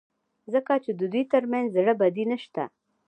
ځکه چې د دوی ترمنځ زړه بدي نشته.